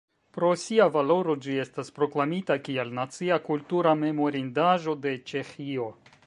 Pro sia valoro ĝi estas proklamita kiel nacia kultura memorindaĵo de Ĉeĥio.